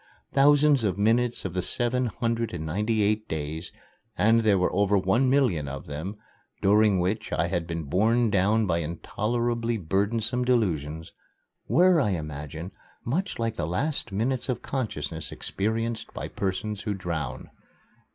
Thousands of minutes of the seven hundred and ninety eight days and there were over one million of them, during which I had been borne down by intolerably burdensome delusions were, I imagine, much like the last minutes of consciousness experienced by persons who drown.